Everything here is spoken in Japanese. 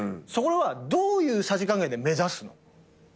それはどういうさじ加減で目指すの？